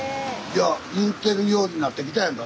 言うてるようになってきたやんか。